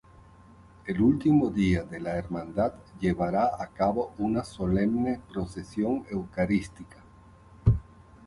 El último día la Hermandad llevará a cabo una Solemne procesión Eucarística.